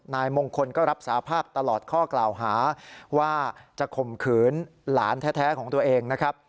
นายมงคลก็รับสาภาพตลอดข้อกล่าวหาว่าจะข่มขืนหลานแท้ของตัวเองนะครับ